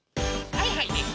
はいはいです。